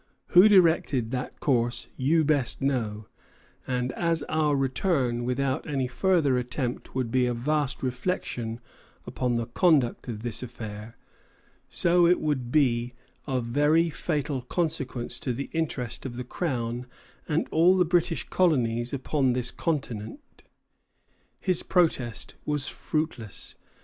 Who directed that course you best know; and as our return without any further attempt would be a vast reflection upon the conduct of this affair, so it would be of very fatal consequence to the interest of the Crown and all the British colonies upon this continent." His protest was fruitless.